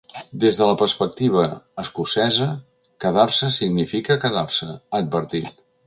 “Des de la perspectiva escocesa, quedar-se significa quedar-se”, ha advertit.